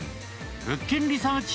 「物件リサーチ」